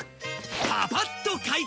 パパッと解決！